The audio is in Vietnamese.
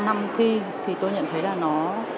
năm thi thì tôi nhận thấy là nó